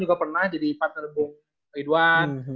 juga pernah jadi partner bung ridwan